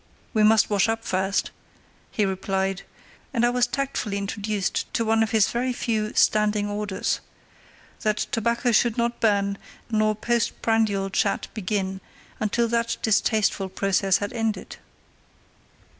"We must wash up first," he replied, and I was tactfully introduced to one of his very few "standing orders", that tobacco should not burn, nor post prandial chat begin, until that distasteful process had ended.